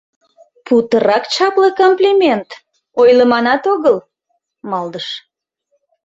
— Путырак чапле комплимент, ойлыманат огыл, — малдыш.